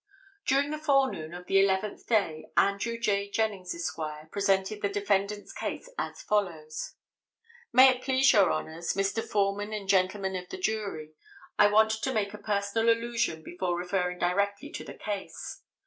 During the forenoon of the eleventh day, Andrew J. Jennings Esq., presented the defendant's case as follows: "May it please your honors, Mr. Foreman and gentlemen of the jury,—I want to make a personal allusion before referring directly to the case.